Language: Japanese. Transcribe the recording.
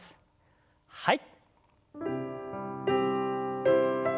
はい。